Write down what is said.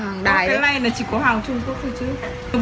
cái này là chỉ có hàng trung quốc thôi chứ